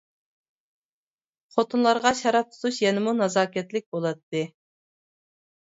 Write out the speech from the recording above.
خوتۇنلارغا شاراب تۇتۇش يەنىمۇ نازاكەتلىك بولاتتى.